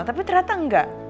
tapi ternyata enggak